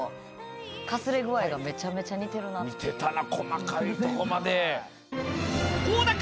似てたな細かいとこまで。